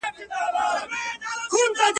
د ګاونډيو ثبات يو بل ته اړوند دی.